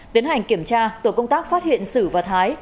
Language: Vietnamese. tiến hành kiểm tra tổ công tác phát hiện sử và thái